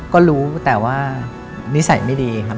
ก็รู้แต่ว่านิสัยไม่ดีครับ